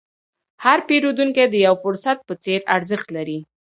هر پیرودونکی د یو فرصت په څېر ارزښت لري.